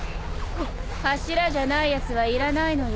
柱じゃないやつはいらないのよ。